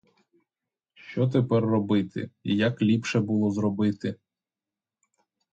Що тепер робити, і як ліпше було зробити?